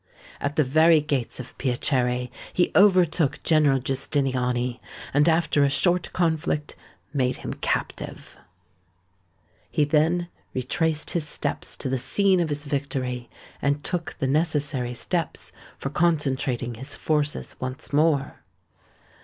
At the very gates of Piacere he overtook General Giustiniani, and, after a short conflict, made him captive. He then retraced his steps to the scene of his victory, and took the necessary steps for concentrating his forces once more.